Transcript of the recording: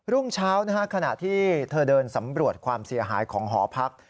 รุ่งเช้าขณะที่เธอเดินสำรวจความเสียหายของหอพัก